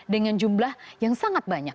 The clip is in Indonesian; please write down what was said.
dengan jumlah yang sangat banyak